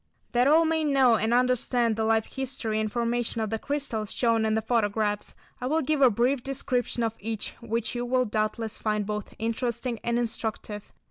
That all may know and understand the life history and formation of the crystals shown in the photographs, I will give a brief description of each which you will doubtless find both interesting and instructive.